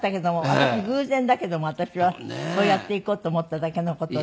私偶然だけども私はそうやっていこうと思っただけの事で。